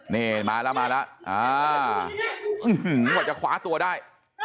นี่มาแล้วมาแล้วกว่าจะคว้าตัวได้